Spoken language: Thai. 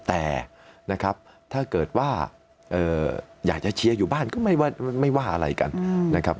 แต่นะครับถ้าเกิดว่าอยากจะเชียร์อยู่บ้านก็ไม่ว่าอะไรกันนะครับ